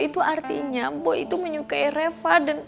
itu artinya boy itu menyukai reva